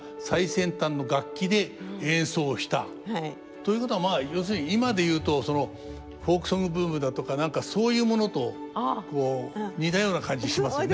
ということはまあ要するに今で言うとそのフォークソングブームだとか何かそういうものとこう似たような感じしますね。